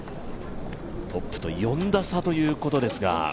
トップと４打差ということですが。